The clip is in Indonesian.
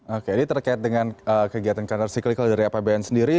oke ini terkait dengan kegiatan counter cyclical dari apbn sendiri